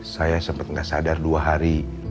saya sempet gak sadar dua hari